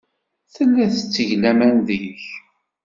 Tella tetteg laman deg-k.